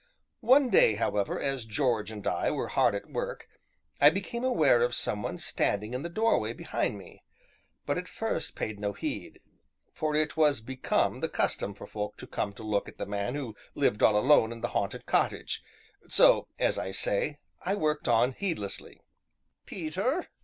One day, however, as George and I were hard at work, I became aware of some one standing in the doorway behind me, but at first paid no heed (for it was become the custom for folk to come to look at the man who lived all alone in the haunted cottage), so, as I say, I worked on heedlessly. "Peter?"